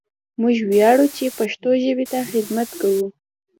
موږ وياړو چې پښتو ژبې ته خدمت کوو!